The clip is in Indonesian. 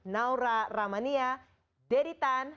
naura ramania deri tan